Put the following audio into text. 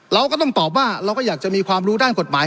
เราก็ต้องตอบว่าเราก็อยากจะมีความรู้ด้านกฎหมาย